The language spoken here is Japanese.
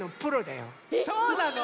そうなの？